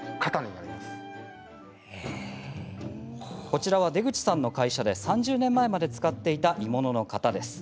こちらは出口さんの会社で３０年前まで使っていた鋳物の型です。